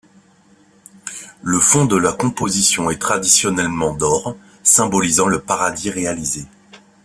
Le fond de la composition est traditionnellement d'or, symbolisant le paradis réalisé.